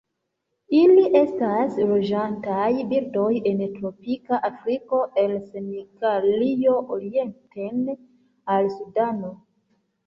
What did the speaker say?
Ili estas loĝantaj birdoj en tropika Afriko el Senegalio orienten al Sudano.